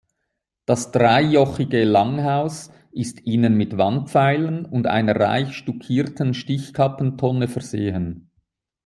Das dreijochige Langhaus ist innen mit Wandpfeilern und einer reich stuckierten Stichkappentonne versehen.